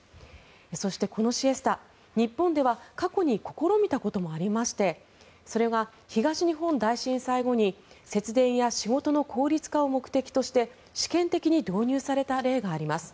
そして、このシエスタ日本では過去に試みたこともありましてそれが東日本大震災後に節電や仕事の効率化を目的として試験的に導入された例があります。